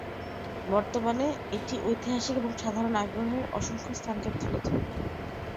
বর্তমানে, এটি ঐতিহাসিক এবং সাধারণ আগ্রহের অসংখ্য স্থানকে তুলে ধরে।